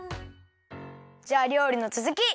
じゃありょうりのつづき！